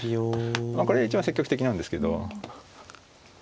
これが一番積極的なんですけど。